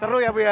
seru ya bu ya